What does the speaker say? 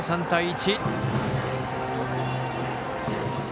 ３対１。